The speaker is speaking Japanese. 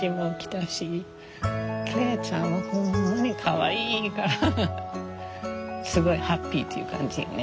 來愛ちゃんはほんまにかわいいからすごいハッピーっていう感じよね。